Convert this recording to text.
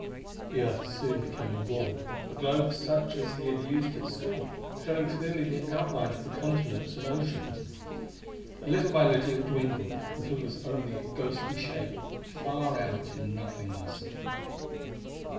The Earth soon became a ball a globe such as he had used at school, showing clearly the outline of the continents and oceans. And little by little it dwindled, until it was only a ghostly shape far out in nothingness....